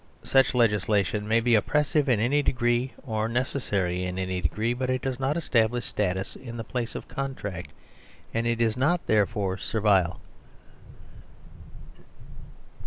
Such legis lation may be oppressive in any degree or necessary in any degree, but it does not establish status in the place of contract, and it is not, therefore, servile.